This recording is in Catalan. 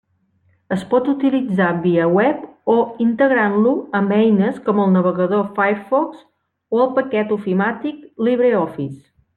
Es pot utilitzar via web o integrant-lo amb eines com el navegador Firefox o el paquet ofimàtic LibreOffice.